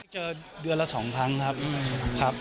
เจอเดือนละ๒ครั้งครับ